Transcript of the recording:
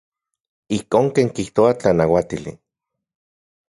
Ijkon ken kijtoa tlanauatili.